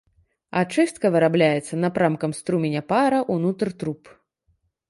Ачыстка вырабляецца напрамкам струменя пара ўнутр труб.